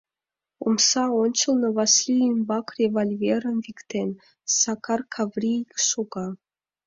Омса ончылно, Васлий ӱмбак револьверым виктен, Сакар Каврий шога...